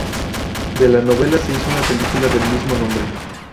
De la novela se hizo una película del mismo nombre.